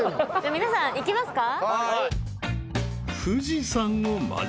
皆さん見えますか？